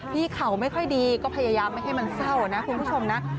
เข่าไม่ค่อยดีก็พยายามไม่ให้มันเศร้านะคุณผู้ชมนะ